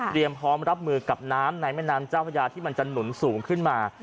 พร้อมรับมือกับน้ำในแม่น้ำเจ้าพระยาที่มันจะหนุนสูงขึ้นมา